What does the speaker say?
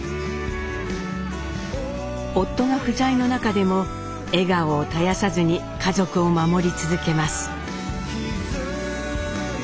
夫が不在の中でも笑顔を絶やさずに家族を守り続けます。